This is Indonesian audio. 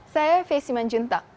saya faye siman juntak